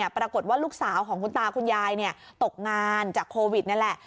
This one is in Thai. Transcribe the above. ปรากฏว่าลูกสาวของคุณตาคุณยายตกงานจากโควิดนั่นแหละ